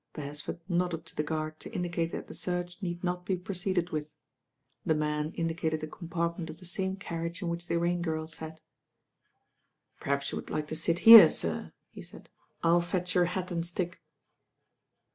Beresford nodded to the guard to indicate that the search need not be proceeded with. The man indicated a compartment of the same carriage in which the Rain Girl sat. 4 THE PURSUIT TO FOLKESTONE 181 "Perhaps you'd like to sit here, sir," he said. 1 11 fetch your hat and stick."